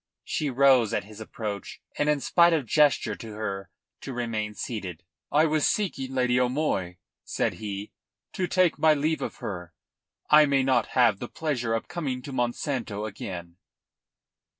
She rose at his approach and in spite of gesture to her to remain seated. "I was seeking Lady O'Moy," said he, "to take my leave of her. I may not have the pleasure of coming to Monsanto again."